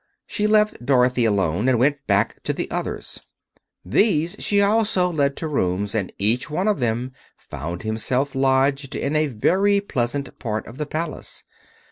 She left Dorothy alone and went back to the others. These she also led to rooms, and each one of them found himself lodged in a very pleasant part of the Palace.